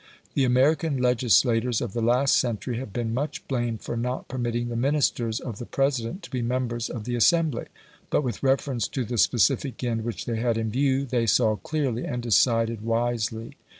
The American legislators of the last century have been much blamed for not permitting the Ministers of the President to be members of the assembly; but, with reference to the specific end which they had in view, they saw clearly and decided wisely.